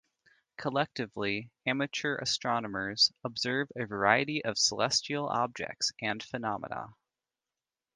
Collectively, amateur astronomers observe a variety of celestial objects and phenomena.